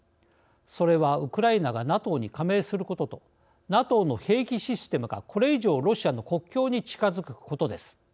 それはウクライナがＮＡＴＯに加盟することとＮＡＴＯの兵器システムがこれ以上ロシアの国境に近づくことです。